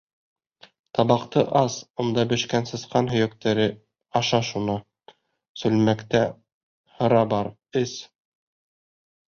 — Табаҡты ас, унда бешкән сысҡан һөйәктәре, аша шуны; сүлмәктә һыра бар, эс.